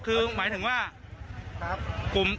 อ๋อคือหมายถึงว่ากลุ่มนี้ก็มา